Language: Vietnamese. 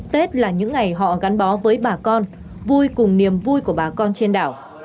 tết là những ngày họ gắn bó với bà con vui cùng niềm vui của bà con trên đảo